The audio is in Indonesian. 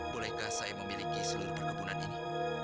bolehkah saya memiliki seluruh perkebunan ini